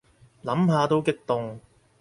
諗下都激動